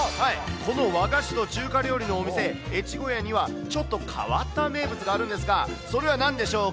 この和菓子と中華料理のお店、ゑちごやには、ちょっと変わった名物があるんですが、それはなんでしょうか。